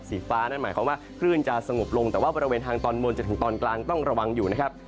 สีฟ้านั่นหมายความว่าคลื่นจะสงบลงแต่ว่าบริเวณทางตอนบนจนถึงตอนกลางต้องระวังอยู่นะครับ